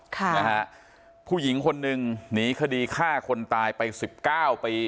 ค่ะนะฮะผู้หญิงคนหนึ่งหนีคดีฆ่าคนตายไปสิบเก้าปี